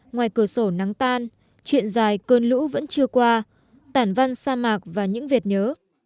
ngoài cửa sổ nắng tan chuyện dài cơn lũ vẫn chưa qua tản văn sa mạc và những vệt nhớ